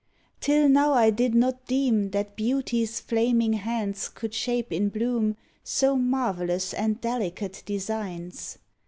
Till now I did not deem That Beauty's flaming hands could shape in bloom So marvelous and delicate designs.